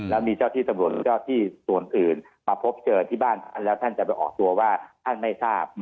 แล้วมีเจ้าที่ตำรวจหรือเจ้าที่ส่วนอื่นมาพบเจอที่บ้านแล้วท่านจะไปออกตัวว่าท่านไม่ทราบ